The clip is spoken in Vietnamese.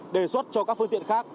đề xuất cho các phương tiện khác